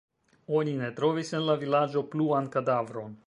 Oni ne trovis en la vilaĝo pluan kadavron.